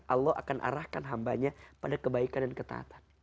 allah akan arahkan hambanya pada kebaikan dan ketaatan